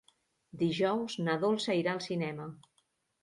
Dijous na Dolça irà al cinema.